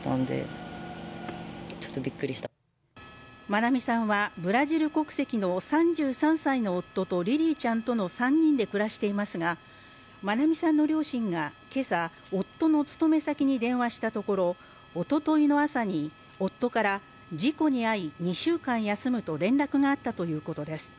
愛美さんはブラジル国籍の３３歳の夫とリリィちゃんとの３人で暮らしていますが愛美さんの両親が今朝、夫の勤め先に電話したところおとといの朝に夫から、事故に遭い２週間休むと連絡があったということです。